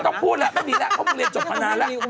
ต้องพูดแล้วไม่มีแล้วเพราะมึงเรียนจบมานานแล้ว